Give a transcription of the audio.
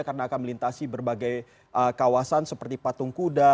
karena akan melintasi berbagai kawasan seperti patung kuda